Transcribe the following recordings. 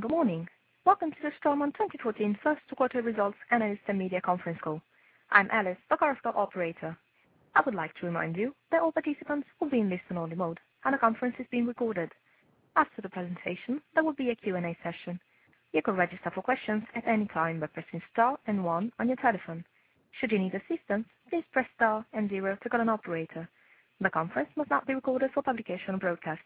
Good morning. Welcome to the Straumann 2014 first quarterly results analyst and media conference call. I'm Alice, the Corporate Operator. I would like to remind you that all participants will be in listen-only mode, and the conference is being recorded. After the presentation, there will be a Q&A session. You can register for questions at any time by pressing star and one on your telephone. Should you need assistance, please press star and zero to get an operator. The conference must not be recorded for publication or broadcast.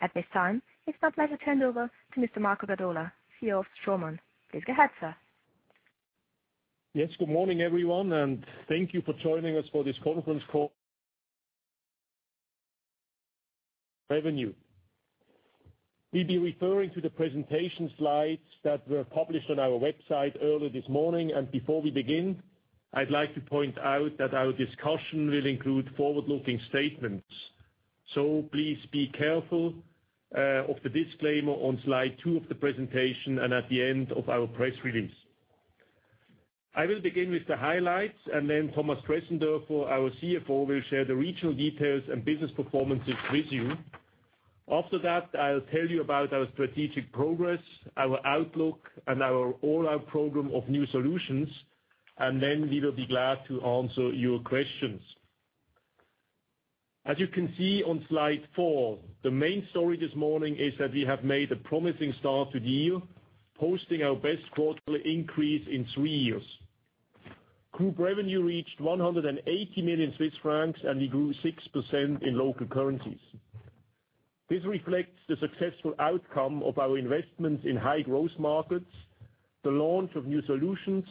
At this time, it's my pleasure to hand over to Mr. Marco Gadola, CEO of Straumann. Please go ahead, sir. Good morning, everyone. Thank you for joining us for this conference call. Revenue. We will be referring to the presentation slides that were published on our website earlier this morning. Before we begin, I'd like to point out that our discussion will include forward-looking statements. Please be careful of the disclaimer on slide two of the presentation and at the end of our press release. I will begin with the highlights. Thomas Dresendörfer, our CFO, will share the regional details and business performances with you. After that, I'll tell you about our strategic progress, our outlook, and our all-eye program of new solutions. We will be glad to answer your questions. As you can see on slide four, the main story this morning is that we have made a promising start to the year, posting our best quarterly increase in three years. Group revenue reached 180 million Swiss francs. We grew 6% in local currencies. This reflects the successful outcome of our investments in high-growth markets, the launch of new solutions,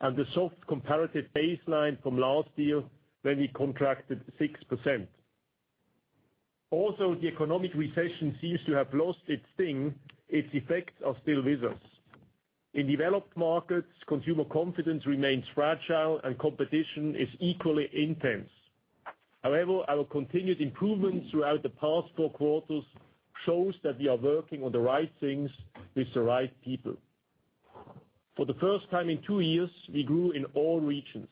and the soft comparative baseline from last year, when we contracted 6%. The economic recession seems to have lost its sting, its effects are still with us. In developed markets, consumer confidence remains fragile and competition is equally intense. Our continued improvement throughout the past four quarters shows that we are working on the right things with the right people. For the first time in two years, we grew in all regions.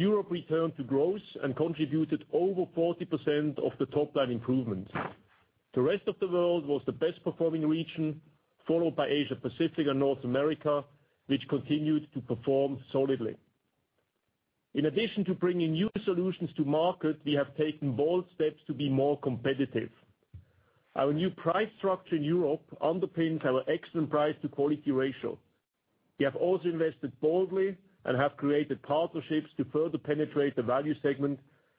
Europe returned to growth and contributed over 40% of the top-line improvements. The rest of the world was the best-performing region, followed by Asia-Pacific and North America, which continued to perform solidly. In addition to bringing new solutions to market, we have taken bold steps to be more competitive. Our new price structure in Europe underpins our excellent price-to-quality ratio. We have also invested boldly and have created partnerships to further penetrate the value segment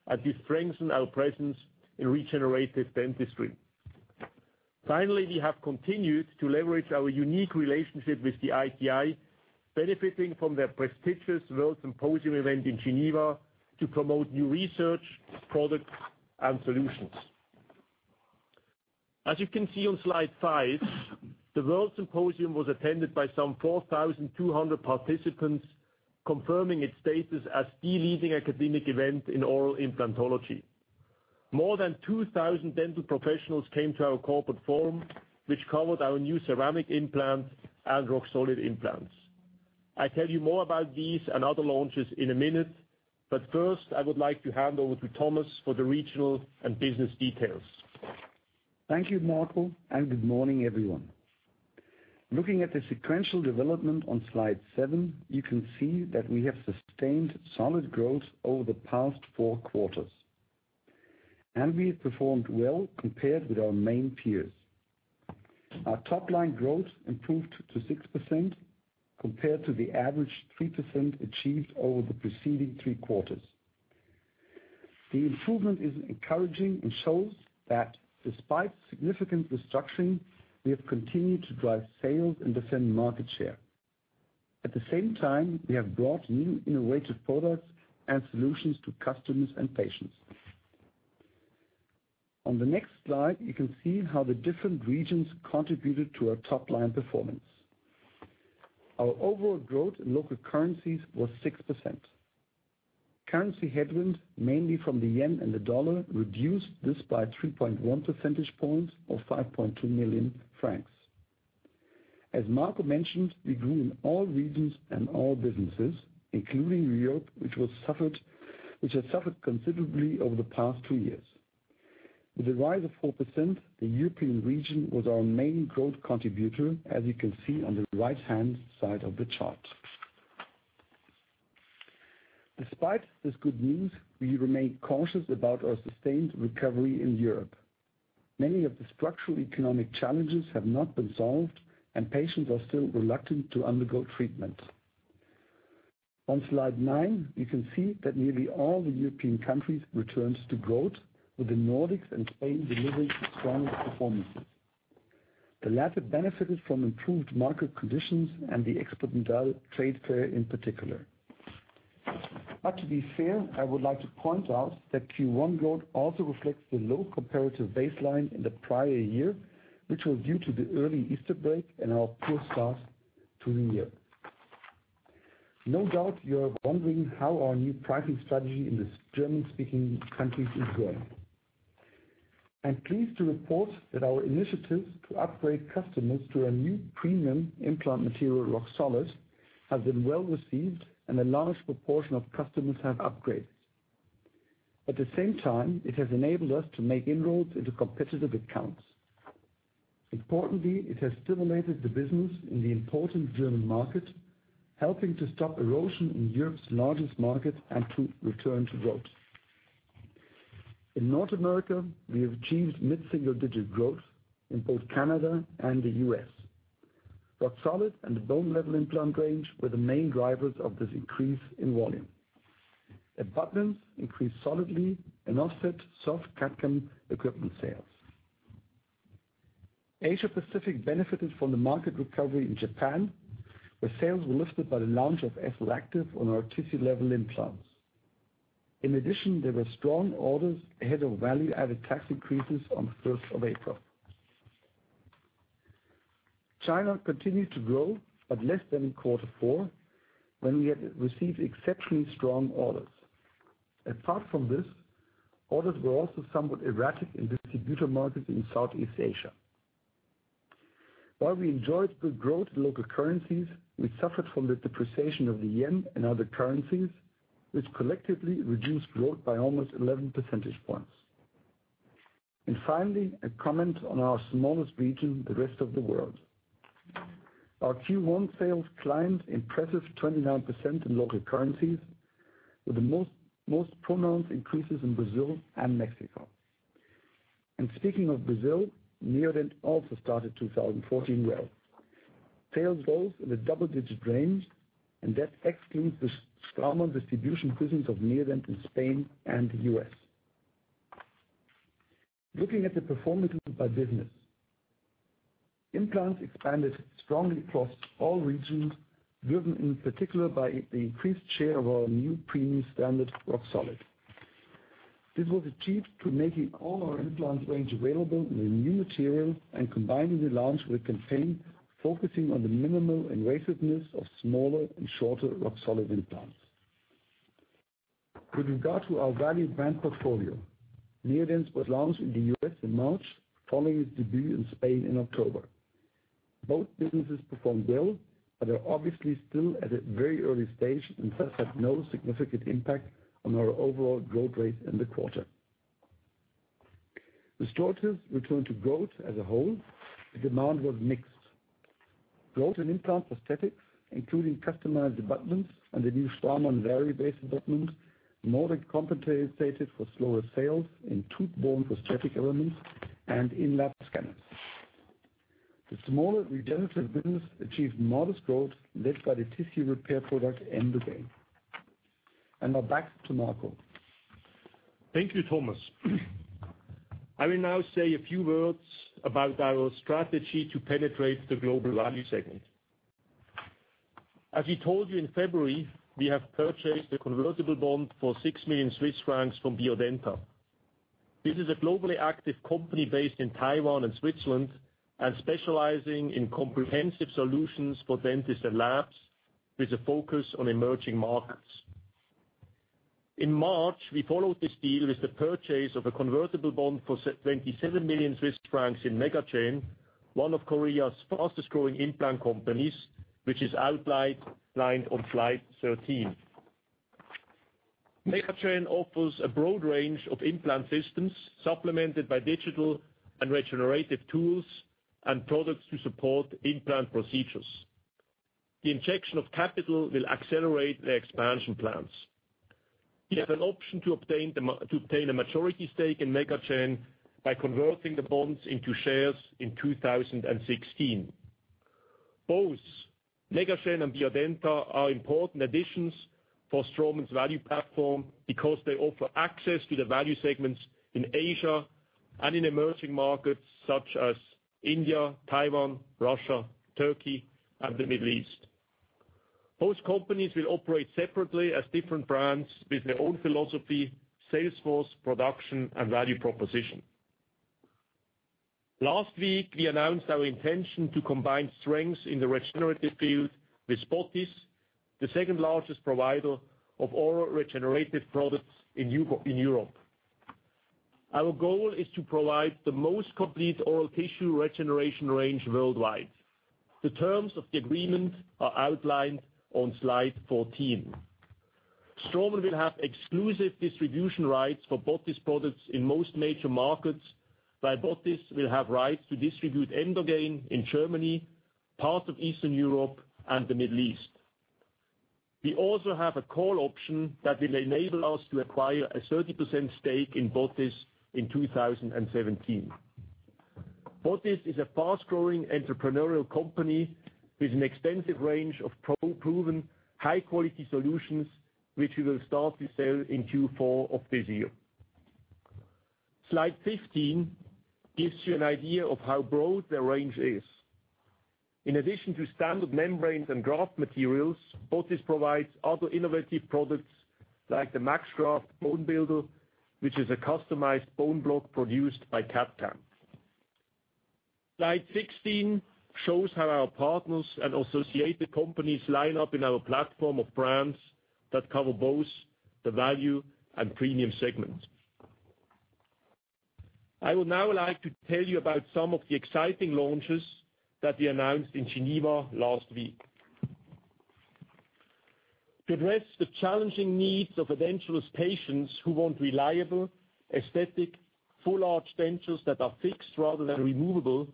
as we strengthen our presence in regenerative dentistry. Finally, we have continued to leverage our unique relationship with the ITI, benefiting from their prestigious World Symposium event in Geneva to promote new research, products, and solutions. As you can see on slide five, the World Symposium was attended by some 4,200 participants, confirming its status as the leading academic event in oral implantology. More than 2,000 dental professionals came to our corporate forum, which covered our new ceramic implants and Roxolid implants. I'll tell you more about these and other launches in a minute, but first, I would like to hand over to Thomas for the regional and business details. Thank you, Marco, Good morning, everyone. Looking at the sequential development on slide seven, you can see that we have sustained solid growth over the past four quarters, and we have performed well compared with our main peers. Our top-line growth improved to 6% compared to the average 3% achieved over the preceding three quarters. The improvement is encouraging and shows that despite significant disruption, we have continued to drive sales and defend market share. At the same time, we have brought new innovative products and solutions to customers and patients. On the next slide, you can see how the different regions contributed to our top-line performance. Our overall growth in local currencies was 6%. Currency headwind, mainly from the yen and the dollar, reduced this by 3.1 percentage points or 5.2 million francs. As Marco mentioned, we grew in all regions and all businesses, including Europe, which had suffered considerably over the past two years. With a rise of 4%, the European region was our main growth contributor, as you can see on the right-hand side of the chart. Despite this good news, we remain cautious about our sustained recovery in Europe. Many of the structural economic challenges have not been solved, and patients are still reluctant to undergo treatment. On slide nine, you can see that nearly all the European countries returned to growth, with the Nordics and Spain delivering the strongest performances. The latter benefited from improved market conditions and the Expodental trade fair in particular. To be fair, I would like to point out that Q1 growth also reflects the low comparative baseline in the prior year, which was due to the early Easter break and our poor start to the year. No doubt you are wondering how our new pricing strategy in the German-speaking countries is going. I'm pleased to report that our initiatives to upgrade customers to our new premium implant material, Roxolid, have been well-received and a large proportion of customers have upgraded. At the same time, it has enabled us to make inroads into competitive accounts. Importantly, it has stimulated the business in the important German market, helping to stop erosion in Europe's largest market and to return to growth. In North America, we have achieved mid-single-digit growth in both Canada and the U.S. Roxolid and the bone level implant range were the main drivers of this increase in volume. Abutments increased solidly and offset soft CAD/CAM equipment sales. Asia-Pacific benefited from the market recovery in Japan, where sales were lifted by the launch of SLActive on our tissue level implants. In addition, there were strong orders ahead of value-added tax increases on the 1st of April. China continued to grow at less than in quarter four, when we had received exceptionally strong orders. Orders were also somewhat erratic in distributor markets in Southeast Asia. While we enjoyed good growth in local currencies, we suffered from the depreciation of the yen and other currencies, which collectively reduced growth by almost 11 percentage points. Finally, a comment on our smallest region, the rest of the world. Our Q1 sales climbed impressive 29% in local currencies, with the most pronounced increases in Brazil and Mexico. Speaking of Brazil, Neodent also started 2014 well. Sales growth in the double-digit range, and that excludes the Straumann distribution presence of Neodent in Spain and the U.S. Looking at the performance by business. Implants expanded strongly across all regions, driven in particular by the increased share of our new premium standard, Roxolid. This was achieved through making all our implant range available in the new material and combining the launch with a campaign focusing on the minimal invasiveness of smaller and shorter Roxolid implants. With regard to our value brand portfolio, Neodent was launched in the U.S. in March, following its debut in Spain in October. Both businesses performed well, but are obviously still at a very early stage and thus had no significant impact on our overall growth rate in the quarter. Restoratives returned to growth as a whole, but demand was mixed. Growth in implant prosthetics, including customized abutments and the new Straumann Variobase abutment, more than compensated for slower sales in tooth-borne prosthetic elements and in lab scanners. The smaller regenerative business achieved modest growth, led by the tissue repair product Emdogain. Now back to Marco. Thank you, Thomas. I will now say a few words about our strategy to penetrate the global value segment. As we told you in February, we have purchased a convertible bond for 6 million Swiss francs from Biodenta. This is a globally active company based in Taiwan and Switzerland, and specializing in comprehensive solutions for dentists and labs, with a focus on emerging markets. In March, we followed this deal with the purchase of a convertible bond for 27 million Swiss francs in MegaGen, one of Korea's fastest-growing implant companies, which is outlined on slide 13. MegaGen offers a broad range of implant systems, supplemented by digital and regenerative tools and products to support implant procedures. The injection of capital will accelerate their expansion plans. We have an option to obtain a majority stake in MegaGen by converting the bonds into shares in 2016. Both MegaGen and Biodenta are important additions for Straumann's value platform because they offer access to the value segments in Asia and in emerging markets such as India, Taiwan, Russia, Turkey, and the Middle East. Both companies will operate separately as different brands with their own philosophy, sales force, production, and value proposition. Last week, we announced our intention to combine strengths in the regenerative field with botiss, the second-largest provider of oral regenerative products in Europe. Our goal is to provide the most complete oral tissue regeneration range worldwide. The terms of the agreement are outlined on slide 14. Straumann will have exclusive distribution rights for botiss products in most major markets, while botiss will have rights to distribute Emdogain in Germany, parts of Eastern Europe, and the Middle East. We also have a call option that will enable us to acquire a 30% stake in botiss in 2017. botiss is a fast-growing entrepreneurial company with an extensive range of proven high-quality solutions, which we will start to sell in Q4 of this year. Slide 15 gives you an idea of how broad their range is. In addition to standard membranes and graft materials, botiss provides other innovative products like the maxgraft bonebuilder, which is a customized bone block produced by CapTan. Slide 16 shows how our partners and associated companies line up in our platform of brands that cover both the value and premium segments. I would now like to tell you about some of the exciting launches that we announced in Geneva last week. To address the challenging needs of edentulous patients who want reliable, aesthetic, full-arch dentures that are fixed rather than removable,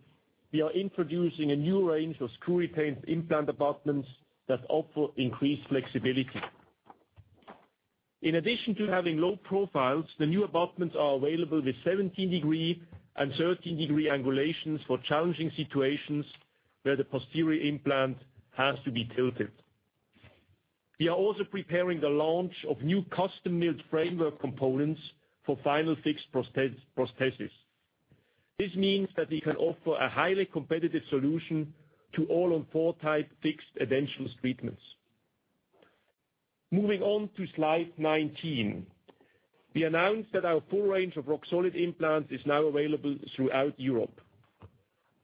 we are introducing a new range of screw-retained implant abutments that offer increased flexibility. In addition to having low profiles, the new abutments are available with 17 degree and 30 degree angulations for challenging situations where the posterior implant has to be tilted. We are also preparing the launch of new custom-milled framework components for final fixed prostheses. This means that we can offer a highly competitive solution to All-on-Four-type fixed edentulous treatments. Moving on to slide 19. We announced that our full range of Roxolid implants is now available throughout Europe.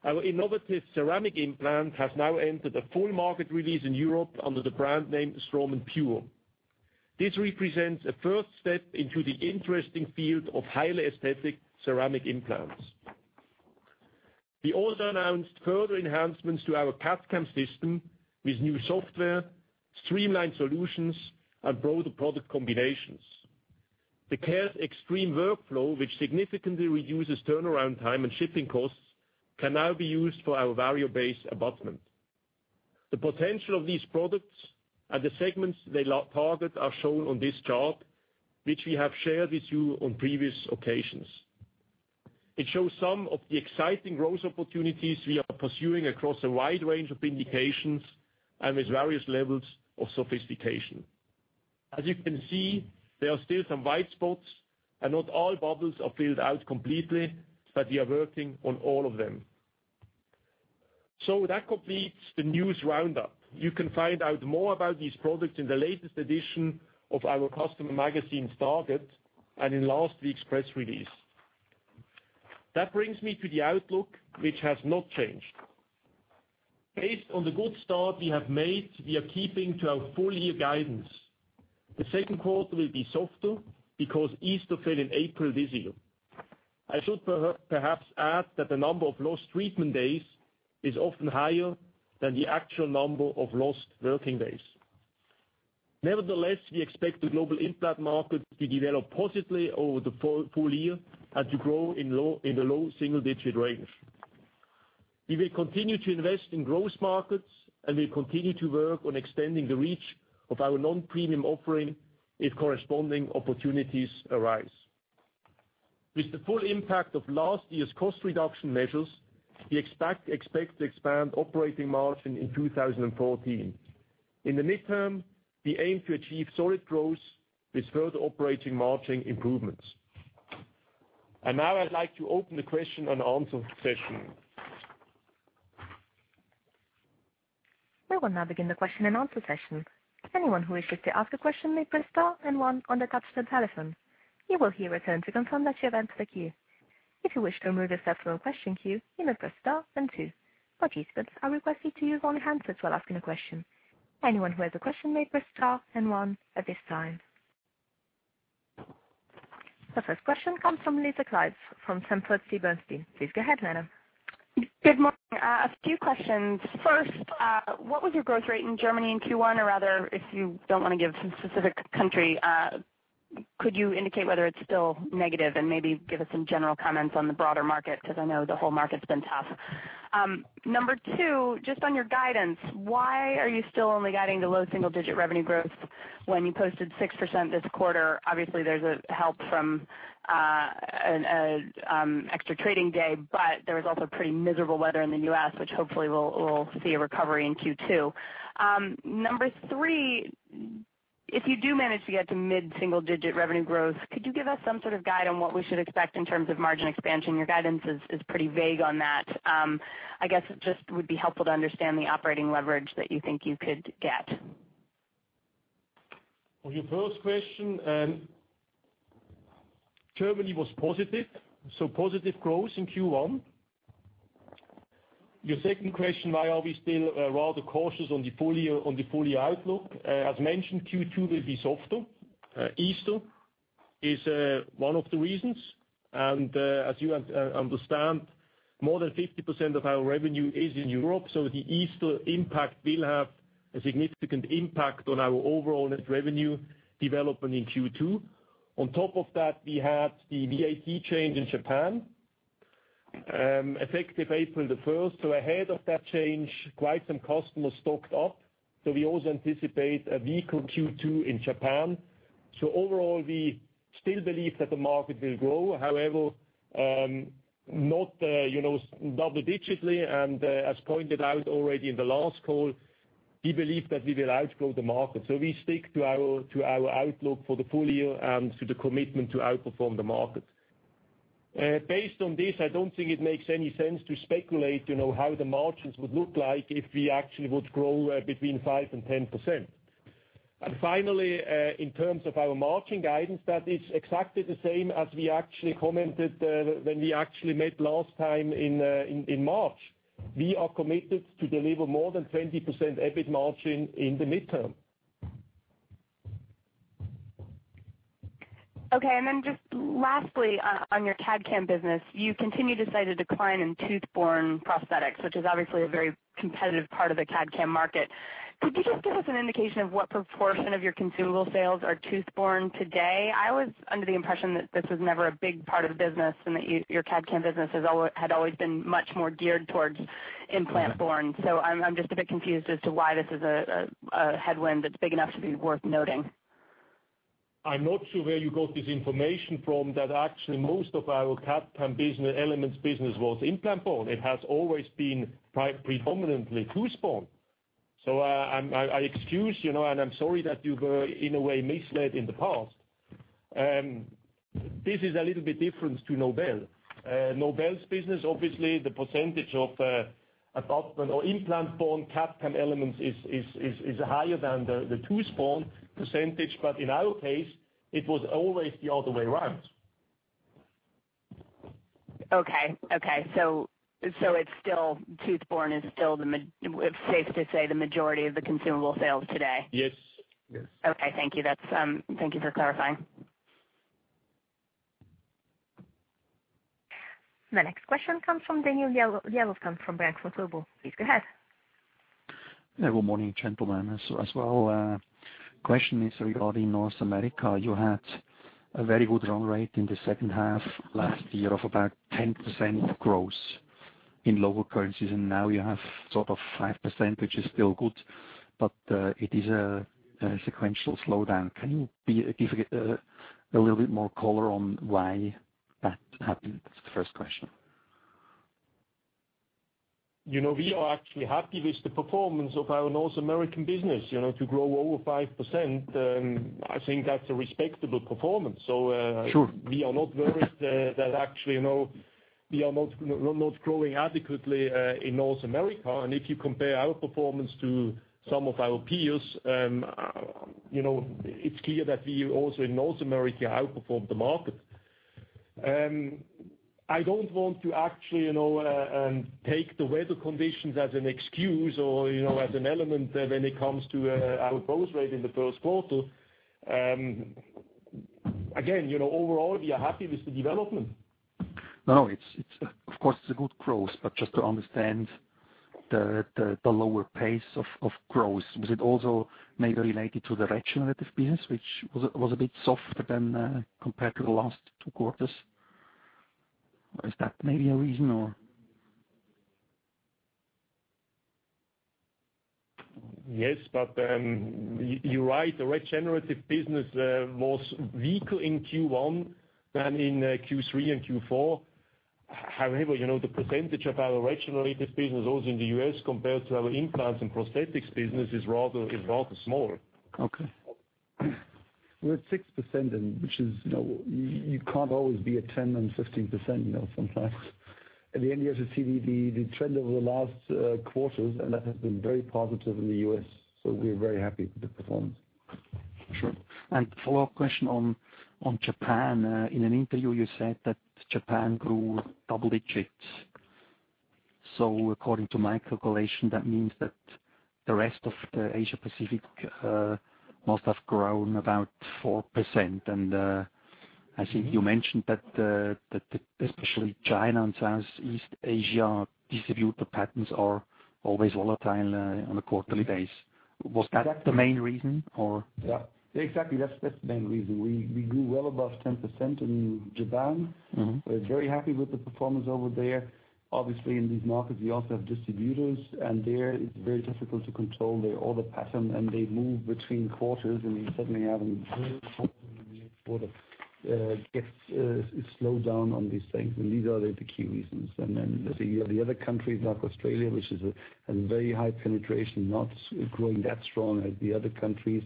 Our innovative ceramic implant has now entered the full market release in Europe under the brand name Straumann PURE. This represents a first step into the interesting field of highly aesthetic ceramic implants. We also announced further enhancements to our CAD/CAM system with new software, streamlined solutions, and broader product combinations. The CARES X-Stream workflow, which significantly reduces turnaround time and shipping costs, can now be used for our Variobase abutment. The potential of these products and the segments they target are shown on this chart, which we have shared with you on previous occasions. It shows some of the exciting growth opportunities we are pursuing across a wide range of indications and with various levels of sophistication. As you can see, there are still some white spots, and not all bubbles are filled out completely, but we are working on all of them. That completes the news roundup. You can find out more about these products in the latest edition of our customer magazine, "STARGET", and in last week's press release. Brings me to the outlook, which has not changed. Based on the good start we have made, we are keeping to our full-year guidance. The second quarter will be softer because Easter fell in April this year. I should perhaps add that the number of lost treatment days is often higher than the actual number of lost working days. Nevertheless, we expect the global implant market to develop positively over the full year and to grow in the low single-digit range. We will continue to invest in growth markets, and we continue to work on extending the reach of our non-premium offering if corresponding opportunities arise. With the full impact of last year's cost reduction measures, we expect to expand operating margin in 2014. In the mid-term, we aim to achieve solid growth with further operating margin improvements. Now I'd like to open the question-and-answer session. We will now begin the question-and-answer session. Anyone who wishes to ask a question may press star and one on the touch-tone telephone. You will hear a tone to confirm that you have entered the queue. If you wish to remove yourself from a question queue, you may press star and two. Participants are requested to use only handsets while asking a question. Anyone who has a question may press star and one at this time. The first question comes from Lisa Clive from Sanford C. Bernstein. Please go ahead, madam. Good morning. A few questions. First, what was your growth rate in Germany in Q1? Rather, if you don't want to give specific country, could you indicate whether it's still negative and maybe give us some general comments on the broader market? I know the whole market's been tough. Number 2, just on your guidance, why are you still only guiding the low single-digit revenue growth when you posted 6% this quarter? Obviously, there's a help from an extra trading day, but there was also pretty miserable weather in the U.S., which hopefully we'll see a recovery in Q2. Number 3, if you do manage to get to mid-single digit revenue growth, could you give us some sort of guide on what we should expect in terms of margin expansion? Your guidance is pretty vague on that. I guess it just would be helpful to understand the operating leverage that you think you could get. On your first question, Germany was positive growth in Q1. Your second question, why are we still rather cautious on the full year outlook? As mentioned, Q2 will be softer. Easter is one of the reasons. As you understand, more than 50% of our revenue is in Europe, the Easter impact will have a significant impact on our overall net revenue development in Q2. On top of that, we had the VAT change in Japan effective April 1st. Ahead of that change, quite some customers stocked up, we also anticipate a weaker Q2 in Japan. Overall, we still believe that the market will grow. However, not double-digitally. As pointed out already in the last call, we believe that we will outgrow the market. We stick to our outlook for the full year and to the commitment to outperform the market. Based on this, I don't think it makes any sense to speculate how the margins would look like if we actually would grow between 5% and 10%. Finally, in terms of our margin guidance, that is exactly the same as we actually commented when we actually met last time in March. We are committed to deliver more than 20% EBIT margin in the mid-term. Okay. Just lastly, on your CAD/CAM business, you continue to cite a decline in tooth-borne prosthetics, which is obviously a very competitive part of the CAD/CAM market. Could you just give us an indication of what proportion of your consumable sales are tooth-borne today? I was under the impression that this was never a big part of the business, your CAD/CAM business had always been much more geared towards implant-borne. I'm just a bit confused as to why this is a headwind that's big enough to be worth noting. I'm not sure where you got this information from that actually most of our CAD/CAM business elements was implant-borne. It has always been predominantly tooth-borne. I excuse, and I'm sorry that you were, in a way, misled in the past. This is a little bit different to Nobel. Nobel's business, obviously the percentage of attachment or implant-borne CAD/CAM elements is higher than the tooth-borne percentage. In our case, it was always the other way around. Okay. Tooth-borne is still, it's safe to say, the majority of the consumable sales today. Yes. Okay. Thank you for clarifying. The next question comes from Daniel Jelovcan from Helvea SA. Please go ahead. Good morning, gentlemen, as well. Question is regarding North America. You had a very good run rate in the second half last year of about 10% growth in local currencies. Now you have 5%, which is still good, it is a sequential slowdown. Can you give a little bit more color on why that happened? That's the first question. We are actually happy with the performance of our North American business. To grow over 5%, I think that's a respectable performance. Sure. If you compare our performance to some of our peers, it's clear that we also in North America outperformed the market. I don't want to actually take the weather conditions as an excuse or as an element when it comes to our growth rate in the first quarter. Again, overall, we are happy with the development. Of course, it's a good growth, just to understand the lower pace of growth. Was it also maybe related to the regenerative business, which was a bit softer than compared to the last two quarters? Is that maybe a reason, or? You're right, the regenerative business was weaker in Q1 than in Q3 and Q4. However, the percentage of our regenerative business also in the U.S. compared to our implants and prosthetics business is rather small. Okay. We're at 6%, which is, you can't always be at 10 and 15% sometimes. At the end, you have to see the trend over the last quarters, and that has been very positive in the U.S. We are very happy with the performance. Sure. A follow-up question on Japan. In an interview, you said that Japan grew double digits. According to my calculation, that means that the rest of the Asia Pacific must have grown about 4%. I think you mentioned that especially China and Southeast Asia distributor patterns are always volatile on a quarterly base. Was that the main reason, or? Yeah. Exactly, that's the main reason. We grew well above 10% in Japan. We're very happy with the performance over there. Obviously, in these markets, we also have distributors, and there it's very difficult to control their order pattern, and they move between quarters, and we suddenly have a very strong quarter, and the next quarter it slowed down on these things. These are the key reasons. Then the other countries, like Australia, which has a very high penetration, not growing that strong as the other countries,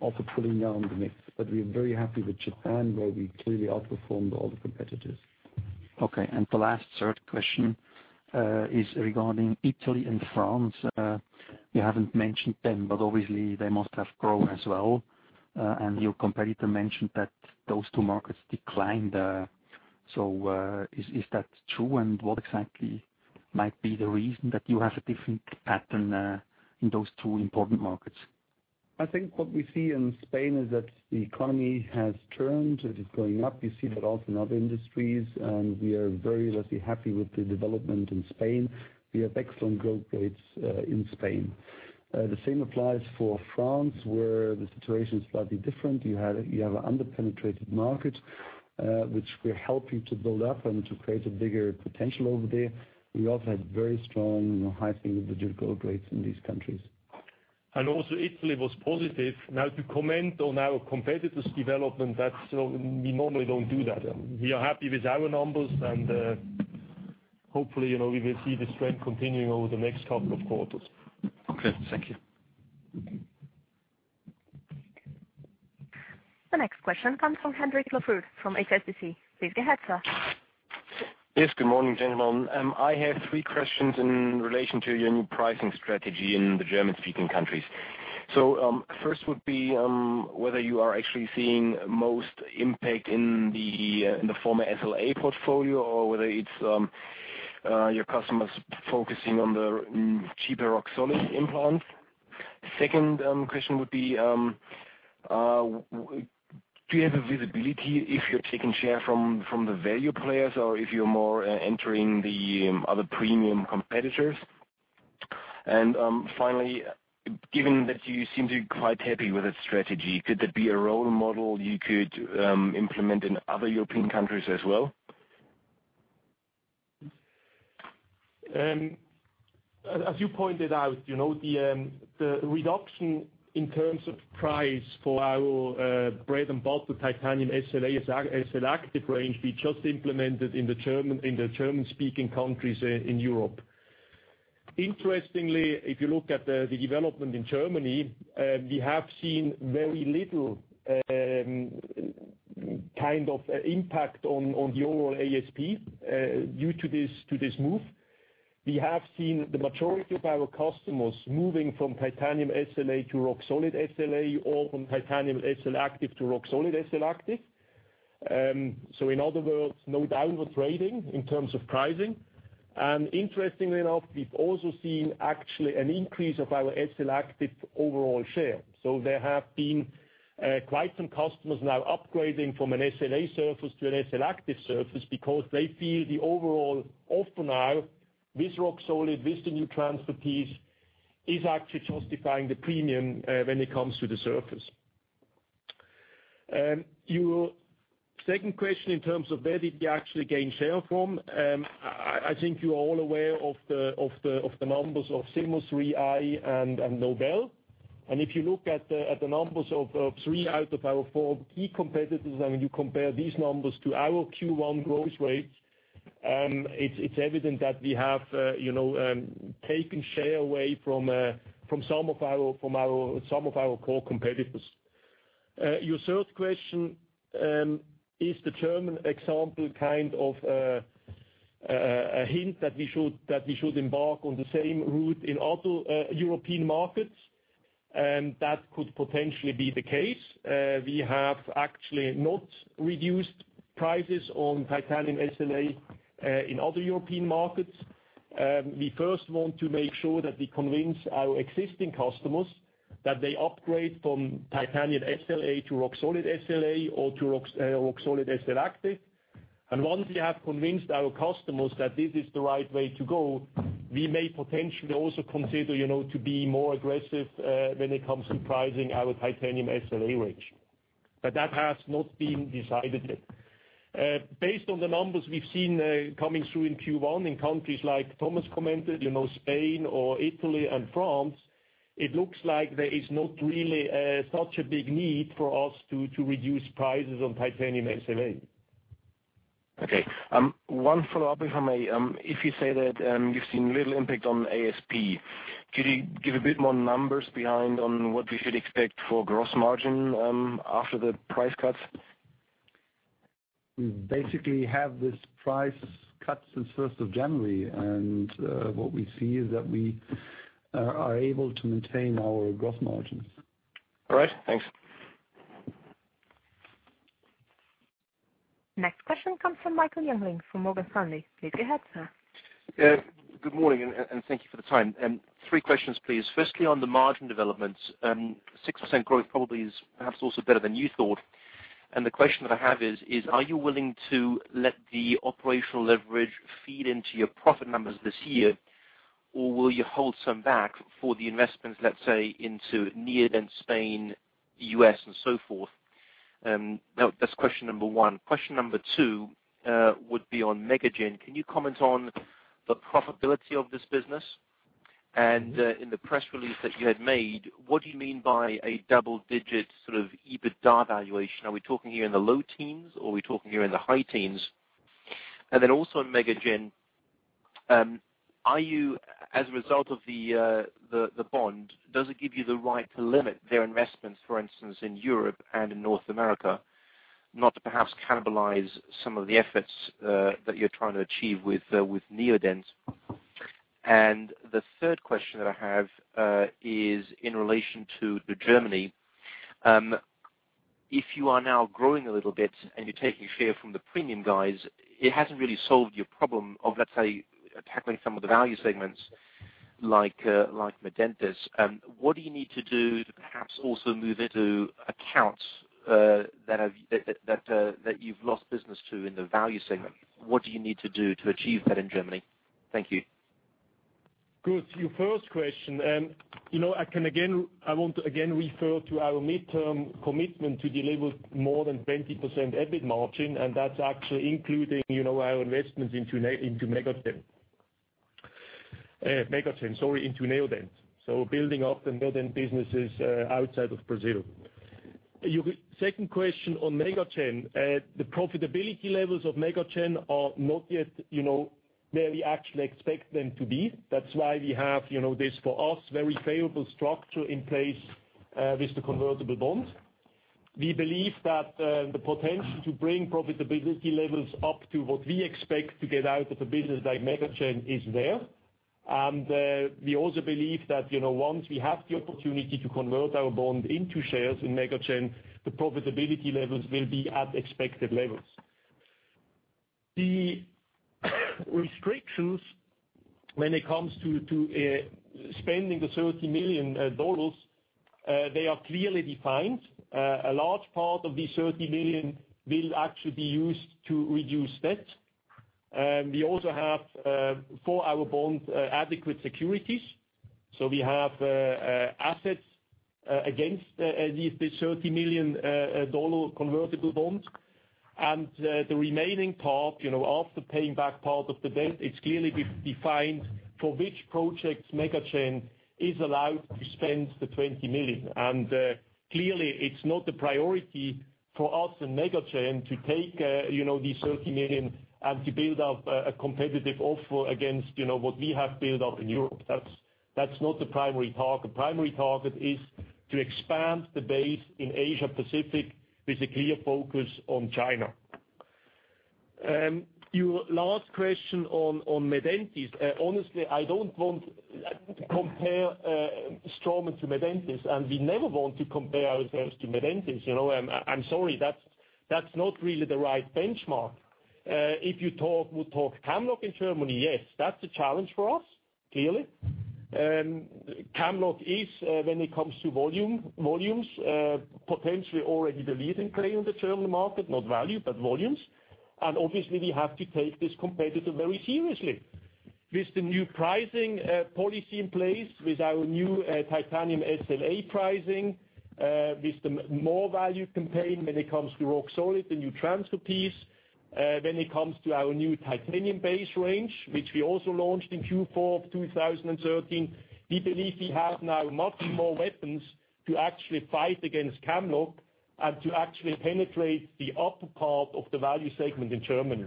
also pulling down the mix. We are very happy with Japan, where we clearly outperformed all the competitors. The last, third question is regarding Italy and France. You haven't mentioned them, but obviously, they must have grown as well. Your competitor mentioned that those two markets declined. Is that true, and what exactly might be the reason that you have a different pattern in those two important markets? I think what we see in Spain is that the economy has turned. It is going up. We see that also in other industries, and we are very, let's say, happy with the development in Spain. We have excellent growth rates in Spain. The same applies for France, where the situation is slightly different. You have an under-penetrated market, which we're helping to build up and to create a bigger potential over there. We also had very strong, high single-digit growth rates in these countries. Also Italy was positive. Now, to comment on our competitor's development, we normally don't do that. We are happy with our numbers, and hopefully, we will see the strength continuing over the next couple of quarters. Okay. Thank you. The next question comes from Hendrik Lafond from HSBC. Please go ahead, sir. Yes. Good morning, gentlemen. I have three questions in relation to your new pricing strategy in the German-speaking countries. First would be whether you are actually seeing most impact in the former SLA portfolio or whether it's your customers focusing on the cheaper Roxolid implants? Second question would be, do you have a visibility if you're taking share from the value players or if you're more entering the other premium competitors? Finally, given that you seem to be quite happy with its strategy, could there be a role model you could implement in other European countries as well? As you pointed out, the reduction in terms of price for our bread and butter titanium SLA, SLActive range we just implemented in the German-speaking countries in Europe. Interestingly, if you look at the development in Germany, we have seen very little impact on the overall ASP due to this move. We have seen the majority of our customers moving from titanium SLA to Roxolid SLA or from titanium SLActive to Roxolid SLActive. In other words, no downward rating in terms of pricing. Interestingly enough, we've also seen actually an increase of our SLActive overall share. There have been quite some customers now upgrading from an SLA surface to an SLActive surface because they feel the overall offer now with Roxolid, with the new transfer piece, is actually justifying the premium when it comes to the surface. Your second question in terms of where did we actually gain share from, I think you're all aware of the numbers of Zimmer, 3i and Nobel. If you look at the numbers of three out of our four key competitors, and when you compare these numbers to our Q1 growth rates, it's evident that we have taken share away from some of our core competitors. Your third question, is the German example a hint that we should embark on the same route in other European markets? That could potentially be the case. We have actually not reduced prices on titanium SLA in other European markets. We first want to make sure that we convince our existing customers that they upgrade from titanium SLA to Roxolid SLA or to Roxolid SLActive. Once we have convinced our customers that this is the right way to go, we may potentially also consider to be more aggressive when it comes to pricing our titanium SLA range. That has not been decided yet. Based on the numbers we've seen coming through in Q1 in countries like Thomas commented, Spain or Italy and France, it looks like there is not really such a big need for us to reduce prices on titanium SLA. Okay. One follow-up, if I may. If you say that you've seen little impact on ASP, could you give a bit more numbers behind on what we should expect for gross margin after the price cuts? We basically have this price cut since 1st of January, what we see is that we are able to maintain our gross margins. All right. Thanks. Next question comes from Michael Youngling from Morgan Stanley. Please go ahead, sir. Good morning. Thank you for the time. three questions, please. Firstly, on the margin developments, 6% growth probably is perhaps also better than you thought. The question that I have is: Are you willing to let the operational leverage feed into your profit numbers this year, or will you hold some back for the investments, let's say, into Neodent Spain, U.S., and so forth? That's question number one. Question number two would be on MegaGen. Can you comment on the profitability of this business? In the press release that you had made, what do you mean by a double-digit EBITDA valuation? Are we talking here in the low teens, or are we talking here in the high teens? Also on MegaGen, as a result of the bond, does it give you the right to limit their investments, for instance, in Europe and in North America, not to perhaps cannibalize some of the efforts that you're trying to achieve with Neodent? The third question that I have is in relation to Germany. If you are now growing a little bit and you're taking share from the premium guys, it hasn't really solved your problem of, let's say, tackling some of the value segments like Medentis. What do you need to do to perhaps also move into accounts that you've lost business to in the value segment? What do you need to do to achieve that in Germany? Thank you. Good. To your first question, I want to again refer to our midterm commitment to deliver more than 20% EBIT margin, and that's actually including our investments into Neodent. Building up the Neodent businesses outside of Brazil. Your second question on MegaGen: The profitability levels of MegaGen are not yet where we actually expect them to be. That's why we have this, for us, very favorable structure in place with the convertible bonds. We believe that the potential to bring profitability levels up to what we expect to get out of the business like MegaGen is there. We also believe that once we have the opportunity to convert our bond into shares in MegaGen, the profitability levels will be at expected levels. The restrictions when it comes to spending the CHF 30 million, they are clearly defined. A large part of the 30 million will actually be used to reduce debt. We also have, for our bonds, adequate securities. We have assets against these CHF 30 million convertible bonds. The remaining part of the paying back part of the debt, it's clearly defined for which projects MegaGen is allowed to spend the 20 million. Clearly, it's not the priority for us in MegaGen to take these 30 million and to build up a competitive offer against what we have built up in Europe. That's not the primary target. Primary target is to expand the base in Asia Pacific, with a clear focus on China. Your last question on Medentis. Honestly, I don't want to compare Straumann to Medentis, and we never want to compare ourselves to Medentis. I'm sorry, that's not really the right benchmark. If you would talk Camlog in Germany, yes, that's a challenge for us, clearly. Camlog is when it comes to volumes, potentially already the leading player in the German market, not value, but volumes. Obviously, we have to take this competitor very seriously. With the new pricing policy in place, with our new titanium SLA pricing, with the more value campaign when it comes to Roxolid, the new transfer piece. When it comes to our new titanium base range, which we also launched in Q4 of 2013, we believe we have now much more weapons to actually fight against Camlog and to actually penetrate the upper part of the value segment in Germany.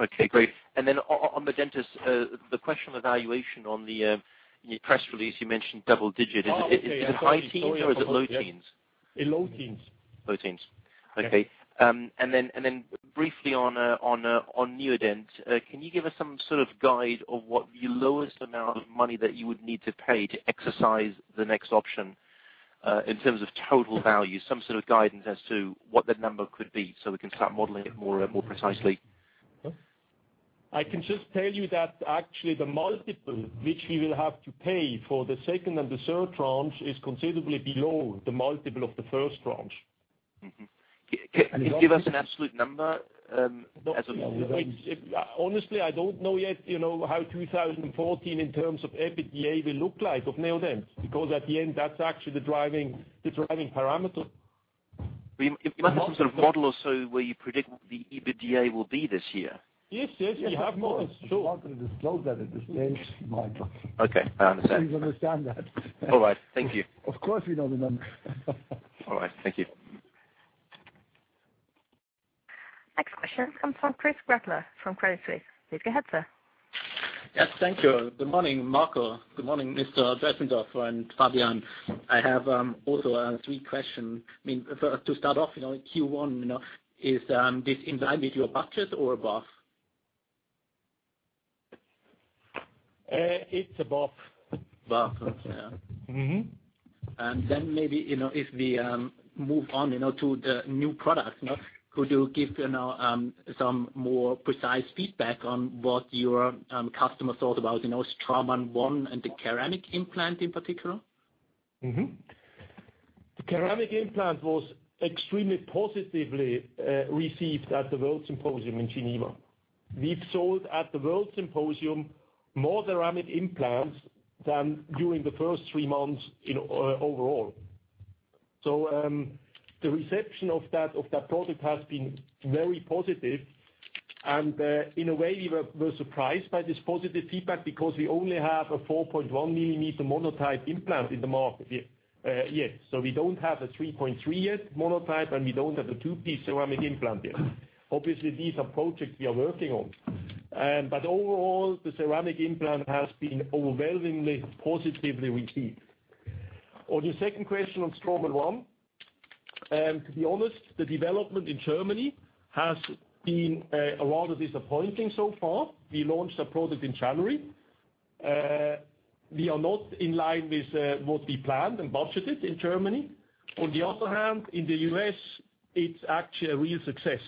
Okay, great. Then on Medentis the question on the valuation on the press release, you mentioned double digit. Oh, okay. Is it high teens or is it low teens? Low teens. Low teens. Okay. Then briefly on Neodent, can you give us some sort of guide of what the lowest amount of money that you would need to pay to exercise the next option, in terms of total value, some sort of guidance as to what that number could be so we can start modeling it more precisely? I can just tell you that actually the multiple which we will have to pay for the second and the third tranche is considerably below the multiple of the first tranche. Can you give us an absolute number? Honestly, I don't know yet how 2014 in terms of EBITDA will look like of Neodent, at the end, that's actually the driving parameter. You must have some sort of model or so where you predict what the EBITDA will be this year. Yes. We have models, sure. We're not going to disclose that at this stage, Michael. Okay, I understand. Please understand that. All right, thank you. Of course, we know the number. All right, thank you. Next question comes from Christoph Gretler from Credit Suisse. Please go ahead, sir. Yes, thank you. Good morning, Marco. Good morning, Mr. Dresendörfer and Fabian. I have also three question. To start off, Q1, is this in line with your budget or above? It's above. Above, okay. Then maybe, if we move on to the new product. Could you give some more precise feedback on what your customer thought about Straumann One and the Ceramic Implant in particular? The ceramic implant was extremely positively received at the World Symposium in Geneva. We've sold at the World Symposium more ceramic implants than during the first 3 months overall. The reception of that product has been very positive, and in a way, we were surprised by this positive feedback because we only have a 4.1-millimeter Monotype implant in the market yet. We don't have a 3.3 yet Monotype, and we don't have a two-piece ceramic implant yet. Obviously, these are projects we are working on. Overall, the ceramic implant has been overwhelmingly positively received. On the second question on Straumann One, to be honest, the development in Germany has been a lot of disappointing so far. We launched the product in January. We are not in line with what we planned and budgeted in Germany. On the other hand, in the U.S., it's actually a real success.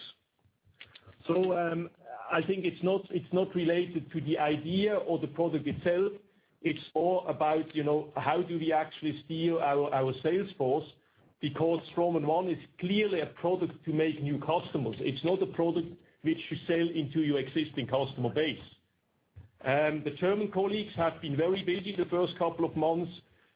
I think it's not related to the idea or the product itself. It's all about how do we actually steer our sales force because Straumann One is clearly a product to make new customers. It's not a product which you sell into your existing customer base. The German colleagues have been very busy the first couple of months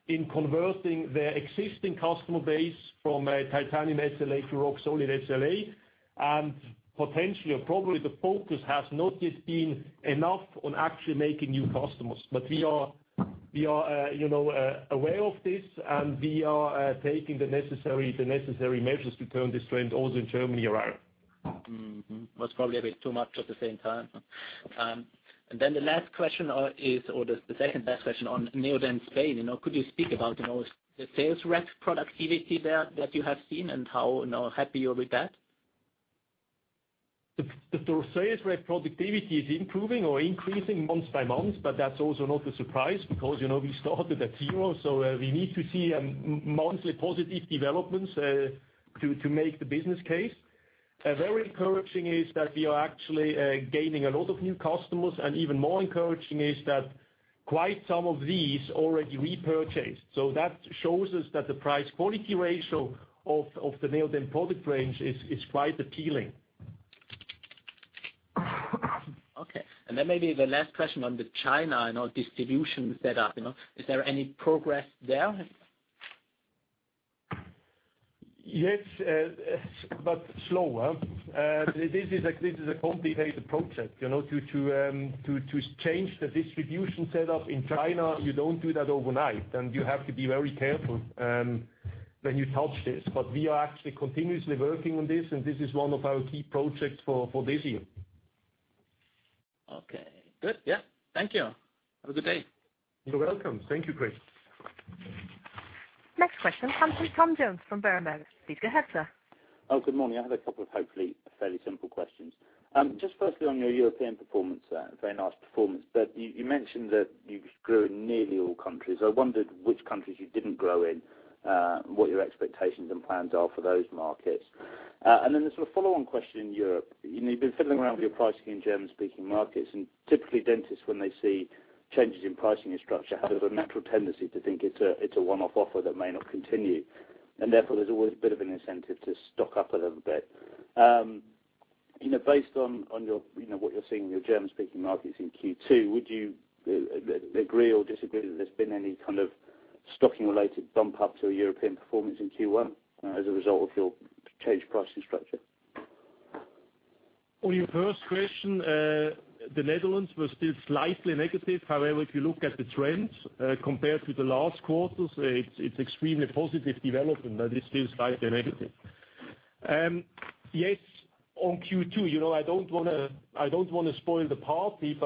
in converting their existing customer base from titanium SLA to Roxolid SLA. Potentially, or probably, the focus has not yet been enough on actually making new customers. We are aware of this, and we are taking the necessary measures to turn this trend also in Germany around. Was probably a bit too much at the same time. The last question is, or the second last question on Neodent Spain. Could you speak about the sales rep productivity there that you have seen and how happy you are with that? The sales rep productivity is improving or increasing month by month, but that's also not a surprise because we started at zero, we need to see monthly positive developments to make the business case. Very encouraging is that we are actually gaining a lot of new customers, even more encouraging is that quite some of these already repurchased. That shows us that the price quality ratio of the Neodent product range is quite appealing. Okay. Then maybe the last question on the China distribution set up. Is there any progress there? Yes, slower. This is a complicated project. To change the distribution set up in China, you don't do that overnight, and you have to be very careful when you touch this. We are actually continuously working on this, and this is one of our key projects for this year. Okay. Good. Yes. Thank you. Have a good day. You're welcome. Thank you, Chris. Next question comes from Tom Jones from Berenberg. Please go ahead, sir. Oh, good morning. I have a couple of hopefully fairly simple questions. Firstly on your European performance, very nice performance. You mentioned that you grew in nearly all countries. I wondered which countries you didn't grow in, what your expectations and plans are for those markets. Then there's a follow-on question in Europe. You've been fiddling around with your pricing in German-speaking markets, and typically dentists, when they see changes in pricing and structure, have a natural tendency to think it's a one-off offer that may not continue. Therefore, there's always a bit of an incentive to stock up a little bit. Based on what you're seeing in your German-speaking markets in Q2, would you agree or disagree that there's been any kind of stocking-related bump up to European performance in Q1 as a result of your changed pricing structure? On your first question, the Netherlands were still slightly negative. However, if you look at the trends compared with the last quarters, it's extremely positive development. It's still slightly negative. Yes, on Q2, I don't want to spoil the party,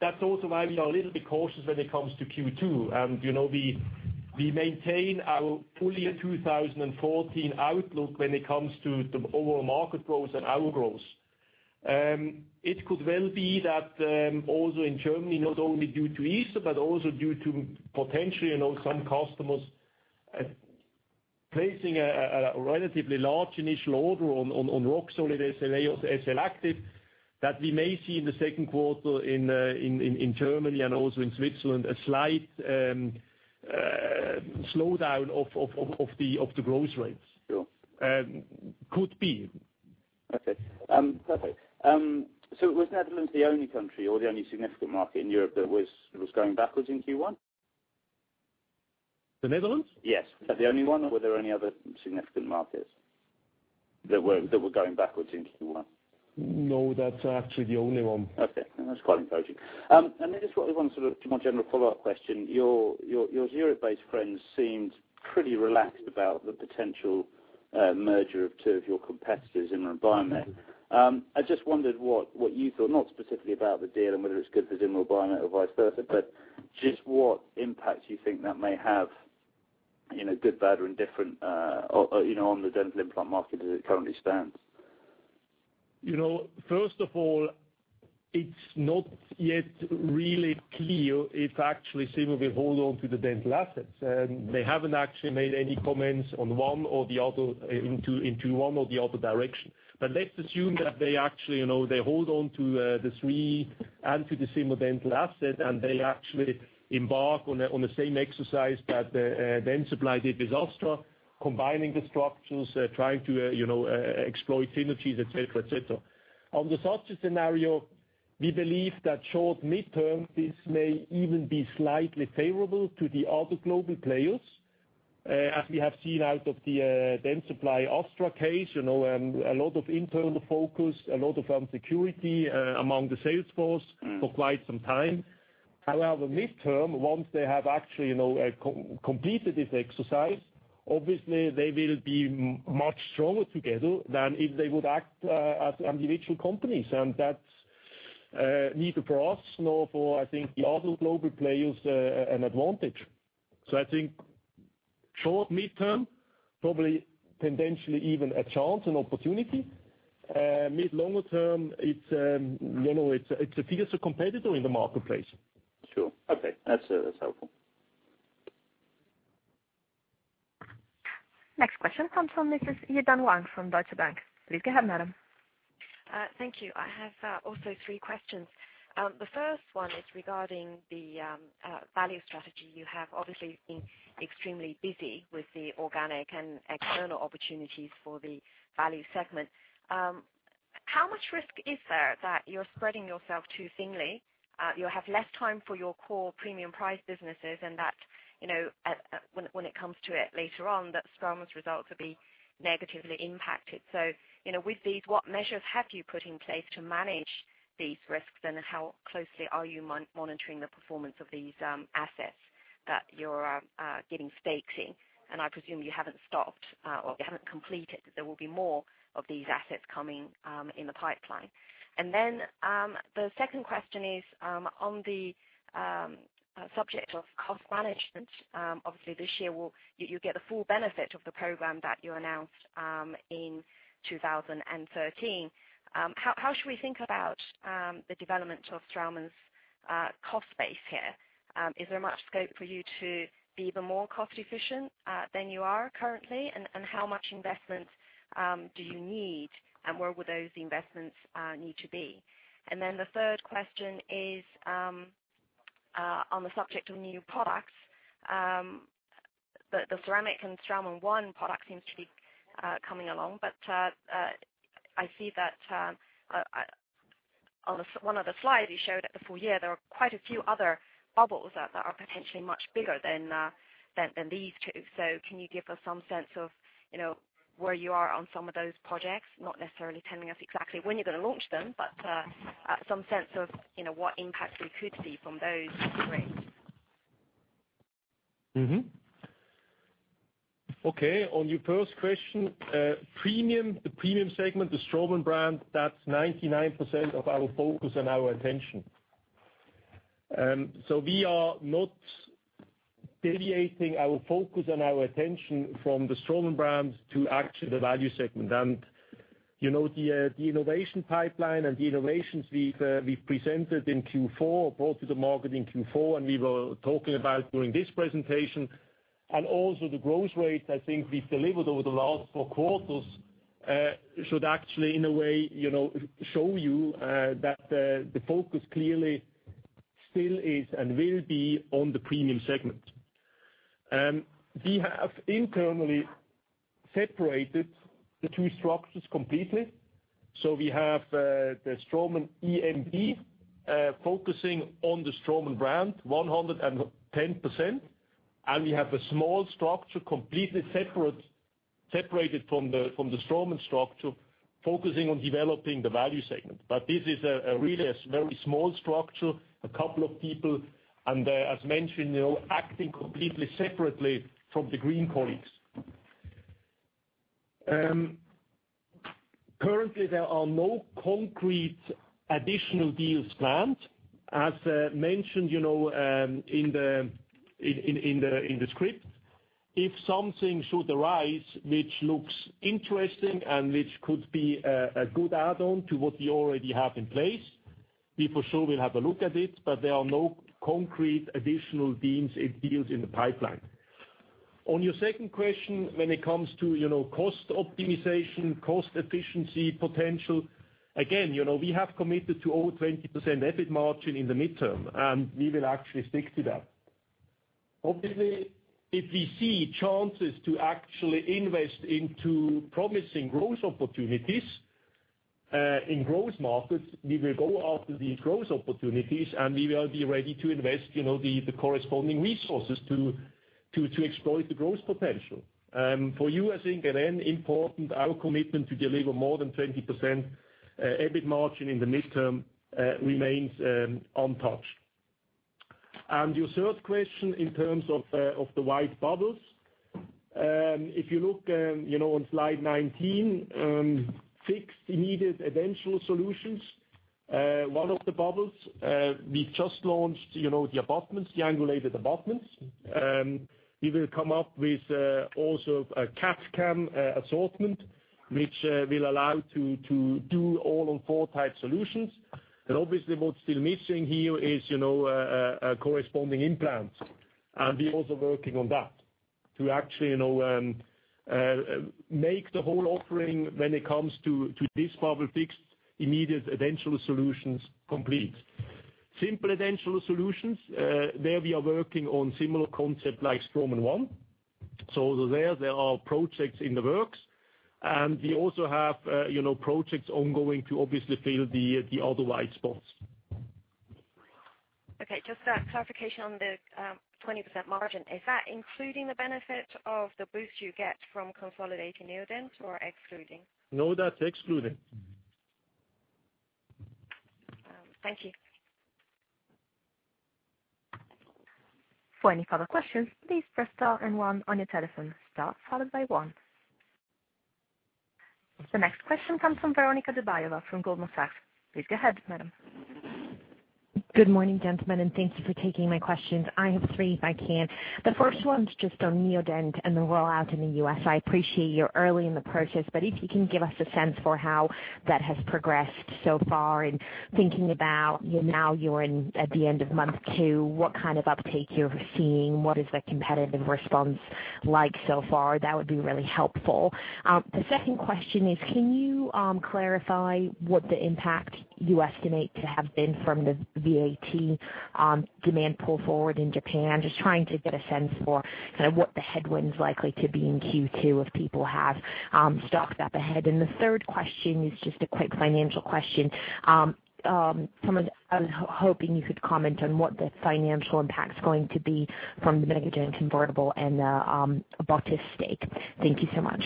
that's also why we are a little bit cautious when it comes to Q2. We maintain our full-year 2014 outlook when it comes to the overall market growth and our growth. It could well be that also in Germany, not only due to Easter, also due to potentially some customers placing a relatively large initial order on Roxolid SLA or SLActive, that we may see in the second quarter in Germany and also in Switzerland, a slight slowdown of the growth rates. Sure. Could be. Okay, perfect. Was Netherlands the only country or the only significant market in Europe that was going backwards in Q1? The Netherlands? Yes. Was that the only one or were there any other significant markets that were going backwards in Q1? No, that's actually the only one. Okay. That's quite encouraging. Then just one general follow-up question. Your Europe-based friends seemed pretty relaxed about the potential merger of two of your competitors in environment. I just wondered what you thought, not specifically about the deal and whether it's good for Zimmer Biomet or vice versa, but just what impact you think that may have, good, bad or indifferent, on the dental implant market as it currently stands. First of all, it's not yet really clear if actually Zimmer will hold on to the dental assets. They haven't actually made any comments into one or the other direction. Let's assume that they hold on to the three and to the Zimmer Dental asset, and they actually embark on the same exercise that Dentsply did with Astra Tech, combining the structures, trying to exploit synergies, et cetera. On the softer scenario, we believe that short, midterm, this may even be slightly favorable to the other global players. As we have seen out of the Dentsply Astra Tech case, a lot of internal focus, a lot of insecurity among the sales force for quite some time. Midterm, once they have actually completed this exercise, obviously they will be much stronger together than if they would act as individual companies. That's neither for us nor for, I think, the other global players an advantage. I think short, midterm, probably potentially even a chance, an opportunity. Mid, longer-term, it appears a competitor in the marketplace. Sure. Okay. That's helpful. Next question comes from Mrs. Yi-Dan Wang from Deutsche Bank. Please go ahead, madam. Thank you. I have also three questions. The first one is regarding the value strategy. You have obviously been extremely busy with the organic and external opportunities for the value segment. How much risk is there that you're spreading yourself too thinly, you'll have less time for your core premium price businesses, and that when it comes to it later on, that Straumann's results will be negatively impacted? With these, what measures have you put in place to manage these risks, and how closely are you monitoring the performance of these assets that you're getting stakes in? I presume you haven't stopped or you haven't completed. There will be more of these assets coming in the pipeline. The second question is on the subject of cost management. Obviously, this year you get the full benefit of the program that you announced in 2013. How should we think about the development of Straumann's cost base here? Is there much scope for you to be even more cost efficient than you are currently? How much investment do you need, and where would those investments need to be? The third question is on the subject of new products. The ceramic and Straumann One product seems to be coming along. I see that on one of the slides you showed at the full year, there are quite a few other bubbles that are potentially much bigger than these two. Can you give us some sense of where you are on some of those projects? Not necessarily telling us exactly when you're going to launch them, but some sense of what impact we could see from those areas. Okay. On your first question, the premium segment, the Straumann brand, that's 99% of our focus and our attention. We are not deviating our focus and our attention from the Straumann brands to actually the value segment. The innovation pipeline and the innovations we've presented in Q4, brought to the market in Q4, and we were talking about during this presentation, and also the growth rates I think we've delivered over the last four quarters should actually in a way show you that the focus clearly still is and will be on the premium segment. We have internally separated the two structures completely. We have the Straumann EMV focusing on the Straumann brand 110%. We have a small structure, completely separated from the Straumann structure, focusing on developing the value segment. This is really a very small structure, a couple of people, and as mentioned, acting completely separately from the green colleagues. Currently, there are no concrete additional deals planned. As mentioned in the script, if something should arise, which looks interesting and which could be a good add-on to what we already have in place, we for sure will have a look at it, but there are no concrete additional deals in the pipeline. On your second question, when it comes to cost optimization, cost efficiency potential, again, we have committed to over 20% EBIT margin in the midterm, and we will actually stick to that. Obviously, if we see chances to actually invest into promising growth opportunities in growth markets, we will go after the growth opportunities, and we will be ready to invest the corresponding resources to exploit the growth potential. For you, I think, then important, our commitment to deliver more than 20% EBIT margin in the midterm remains untouched. Your third question in terms of the white bubbles. If you look on slide 19, fixed immediate eventual solutions, one of the bubbles we've just launched, the abutments, the angulated abutments. We will come up with also a CAD/CAM assortment, which will allow to do All-on-Four type solutions. Obviously, what's still missing here is corresponding implants. We're also working on that to actually make the whole offering when it comes to this bubble fixed immediate eventual solutions complete. Simple eventual solutions, there we are working on similar concept like Straumann One. There, there are projects in the works, and we also have projects ongoing to obviously fill the other white spots. Okay. Just a clarification on the 20% margin. Is that including the benefit of the boost you get from consolidating Neodent or excluding? No, that's excluded. Thank you. For any further questions, please press star and one on your telephone. Star followed by one. The next question comes from Veronika Dubajova from Goldman Sachs. Please go ahead, madam. Good morning, gentlemen, and thank you for taking my questions. I have three if I can. The first one's just on Neodent and the rollout in the U.S. I appreciate you're early in the process, but if you can give us a sense for how that has progressed so far in thinking about now you're at the end of month 2, what kind of uptake you're seeing, what is the competitive response like so far, that would be really helpful. The second question is, can you clarify what the impact you estimate to have been from the VAT demand pull forward in Japan? Just trying to get a sense for what the headwinds likely to be in Q2 if people have stocked up ahead. The third question is just a quick financial question. I was hoping you could comment on what the financial impact's going to be from the MegaGen convertible and the Dentsply Sirona stake. Thank you so much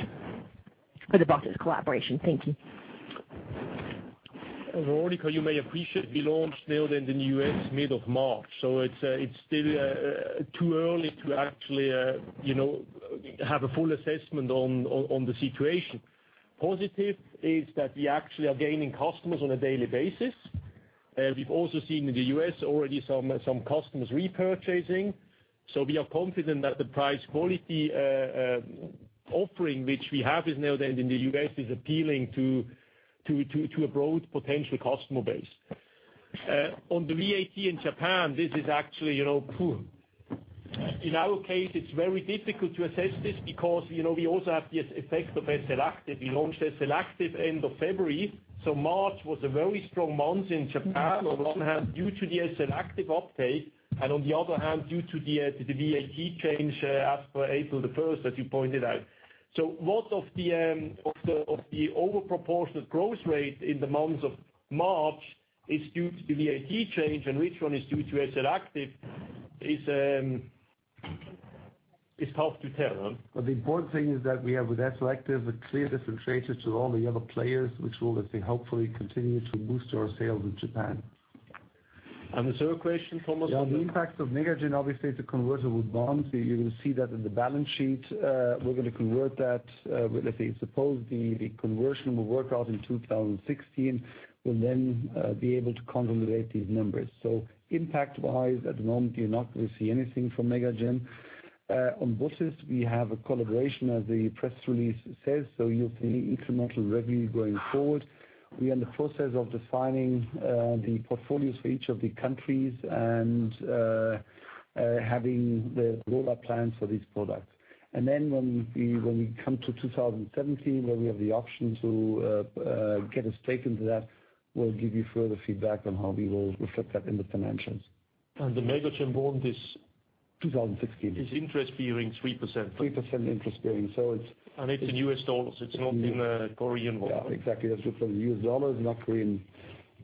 or the Dentsply Sirona collaboration. Thank you. Veronika, you may appreciate we launched Neodent in the U.S. mid of March. It's still too early to actually have a full assessment on the situation. Positive is that we actually are gaining customers on a daily basis. We've also seen in the U.S. already some customers repurchasing. We are confident that the price quality offering which we have in the U.S. is appealing to a broad potential customer base. On the VAT in Japan, this is actually in our case, it's very difficult to assess this because we also have the effect of SLActive. We launched SLActive end of February, March was a very strong month in Japan. On one hand, due to the SLActive uptake and on the other hand, due to the VAT change as per April the 1st that you pointed out. Most of the over-proportionate growth rate in the month of March is due to the VAT change and which one is due to SLActive is hard to tell. The important thing is that we have, with SLActive, a clear differentiator to all the other players, which will let they hopefully continue to boost our sales in Japan. The third question, Thomas? Yeah. The impact of Megagen, obviously it's a convertible bond, so you will see that in the balance sheet. We're going to convert that. Suppose the conversion will work out in 2016, we'll then be able to consolidate these numbers. Impact-wise, at the moment, you're not going to see anything from Megagen. On botiss, we have a collaboration, as the press release says, so you'll see incremental revenue going forward. We are in the process of defining the portfolios for each of the countries and having the roll-out plans for these products. Then when we come to 2017, where we have the option to get a stake into that, we'll give you further feedback on how we will reflect that in the financials. The Megagen bond is- 2016 is interest bearing 3%. 3% interest bearing. It's- It's in U.S. dollars, it's not in KRW. Exactly. That's U.S. dollars, not KRW.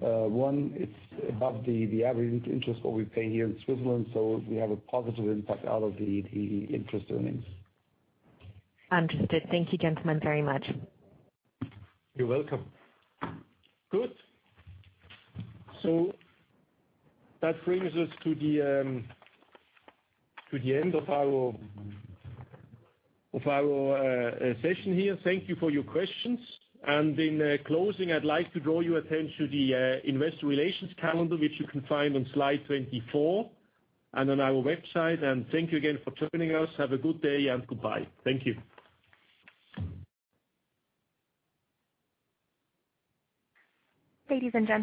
It's above the average interest what we pay here in Switzerland, we have a positive impact out of the interest earnings. Understood. Thank you, gentlemen, very much. You're welcome. Good. That brings us to the end of our session here. Thank you for your questions. In closing, I'd like to draw your attention to the investor relations calendar, which you can find on slide 24 and on our website. Thank you again for joining us. Have a good day and goodbye. Thank you. Ladies and gentlemen